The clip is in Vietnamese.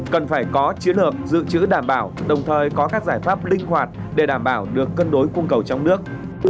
cần phải có chiến lược dự trữ đảm bảo đồng thời có các giải pháp linh hoạt để đảm bảo được cân đối cung cầu trong nước